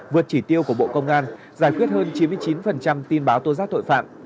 vượt chỉ tiêu của bộ công an giải quyết hơn chín mươi chín tin báo tố giác tội phạm